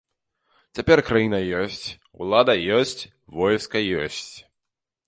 Цяпер краіна ёсць, улада ёсць, войска ёсць.